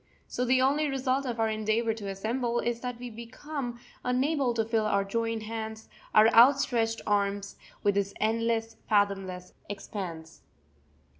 So the only result of our endeavour to assemble is that we become unable to fill our joined hands, our outstretched arms, with this endless, fathomless expanse.